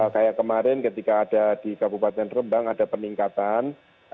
kayak kemarin ketika ada di kabupaten rembang ada peningkatan